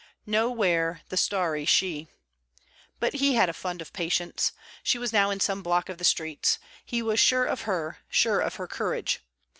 Nowhere the starry she. But he had a fund of patience. She was now in some block of the streets. He was sure of her, sure of her courage.